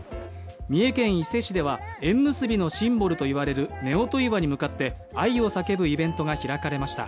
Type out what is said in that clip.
三重県伊勢市では、縁結びのシンボルと言われる夫婦岩に向かって愛を叫ぶイベントが開かれました。